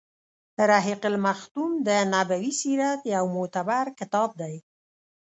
رحيق المختوم د نبوي سیرت يو معتبر کتاب دی.